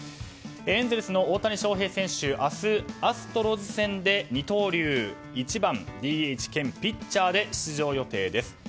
エンゼルスの大谷翔平選手は明日、アストロズ戦で二刀流１番ＤＨ兼ピッチャーで出場予定です。